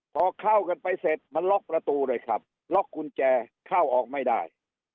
พอเข้ากันไปเสร็จมันล็อกประตูเลยครับล็อกกุญแจเข้าออกไม่ได้